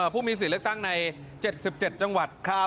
ผู้มีสิทธิ์เลือกตั้งใน๗๗จังหวัด